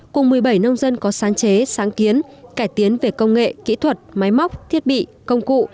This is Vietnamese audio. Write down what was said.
cùng một mươi bảy nông dân có sáng chế sáng kiến cải tiến về công nghệ kỹ thuật máy móc thiết bị công cụ